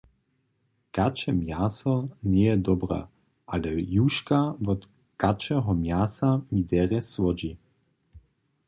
Kače mjaso njeje dobre, ale juška wot kačeho mjasa mi derje słodźi.